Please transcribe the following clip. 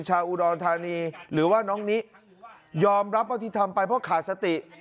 ชาวอุดรธานีหรือว่าน้องนิยอมรับว่าที่ทำไปเพราะขาดสติ